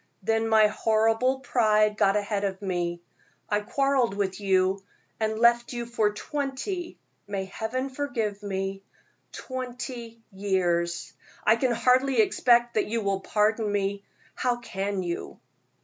Then my horrible pride got ahead of me, I quarreled with you and left you for twenty may Heaven forgive me twenty years. I can hardly expect that you will pardon me. How can you?"